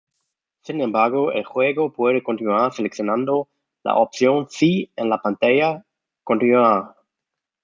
Sin embargo, el juego puede continuar seleccionando la opción "Sí" en la pantalla "¿Continuar?".